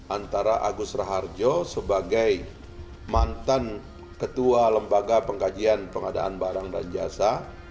antara agus raharjo sebagai mantan ketua lembaga pengkajian pengadaan barang dan jasa